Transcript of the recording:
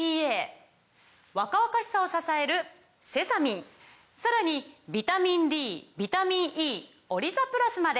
若々しさを支えるセサミンさらにビタミンＤビタミンＥオリザプラスまで！